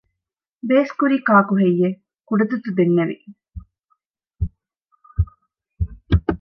ބޭސްކުރީ ކާކުހެއްޔެވެ؟ ކުޑަތުއްތު ދެންނެވި